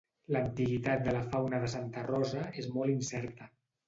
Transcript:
L'antiguitat de la fauna de Santa Rosa és molt incerta.